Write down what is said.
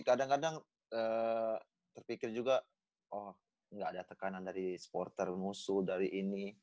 kadang kadang terpikir juga oh nggak ada tekanan dari supporter musuh dari ini